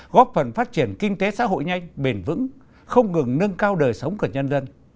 góp phần phát triển kinh tế xã hội nhanh bền vững không ngừng nâng cao đời sống của nhân dân